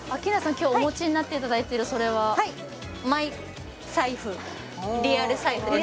今日お持ちになっていただいてるそれはマイ財布リアル財布です